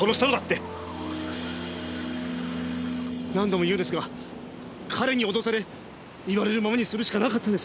何度も言うようですが彼に脅され言われるままにするしかなかったんです！